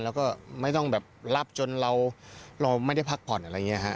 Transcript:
แล้วก็ไม่ต้องแบบรับจนเราไม่ได้พักผ่อนอะไรอย่างนี้ฮะ